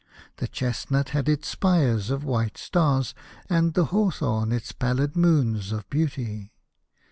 The chestnut had its spires of white stars, and the hawthorn its pallid moons of beauty.